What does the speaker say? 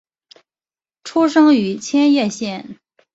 出生于千叶县。